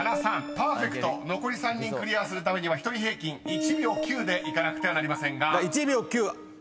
［パーフェクト残り３人クリアするためには１人平均１秒９でいかなくてはなりませんが］